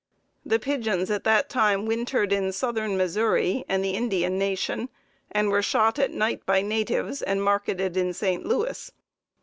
The pigeons at that time wintered in southern Missouri and the Indian Nation, and were shot at night by natives and marketed in St. Louis.